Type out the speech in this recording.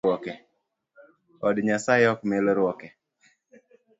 Od nyasaye ok milruoke